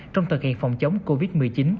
trong thực hiện phòng chống covid một mươi chín